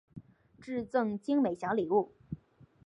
致赠精美小礼物